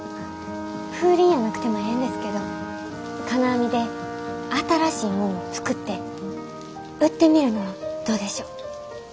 風鈴やなくてもええんですけど金網で新しいもんを作って売ってみるのはどうでしょう？